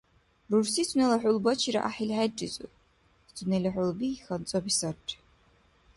Рурси сунела хӀулбачира гӀяхӀил хӀерризур: сунела хӀулби хьанцӀаби сарри.